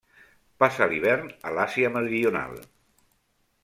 Passa l'hivern a l'Àsia Meridional.